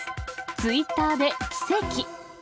ツイッターで奇跡。